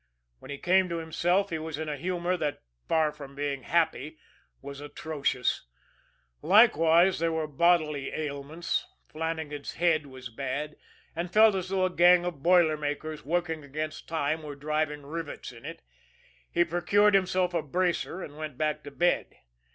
When he came to himself he was in a humor that, far from being happy, was atrocious; likewise, there were bodily ailments Flannagan's head was bad, and felt as though a gang of boiler makers, working against time, were driving rivets in it. He procured himself a bracer and went back to bed.